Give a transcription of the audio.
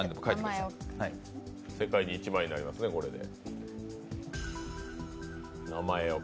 世界に１枚になりますね、これで。